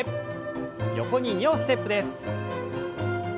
横に２歩ステップです。